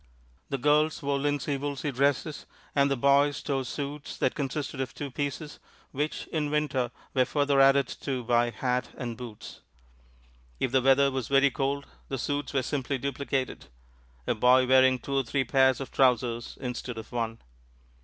The girls wore linsey woolsey dresses, and the boys tow suits that consisted of two pieces, which in Winter were further added to by hat and boots. If the weather was very cold, the suits were simply duplicated a boy wearing two or three pairs of trousers instead of one.